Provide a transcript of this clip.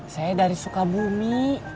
saya dari sukabumi